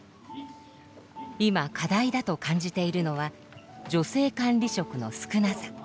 今課題だと感じているのは女性管理職の少なさ。